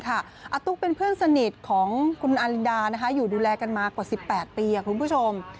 อาตุ๊กเป็นเพื่อนสนิทของคุณอลินดาอยู่ดูแลกันมากว่า๑๘ปีคุณผู้ชม